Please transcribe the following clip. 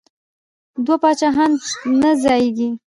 دوه پاچاهان نه ځاییږي.